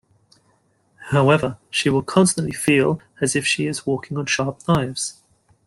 However, she will constantly feel as if she is walking on sharp knives.